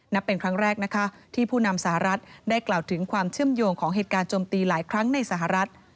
นับเป็นครั้งแรกนะคะที่ผู้นำสหรัฐได้กล่าวถึงความเชื่อมโยงของเหตุการณ์จมตีหลายครั้งในสหรัฐ